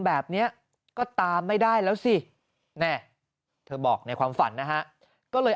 แบบนี้ก็ตามไม่ได้แล้วสิแน่เธอบอกในความฝันนะฮะก็เลย